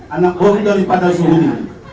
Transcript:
anak orang dari pada suhu ini